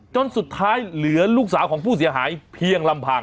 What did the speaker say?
จนสุดท้ายเหลือลูกสาวของผู้เสียหายเพียงลำพัง